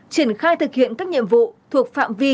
triển khai thực hiện các nhiệm vụ thuộc phạm vi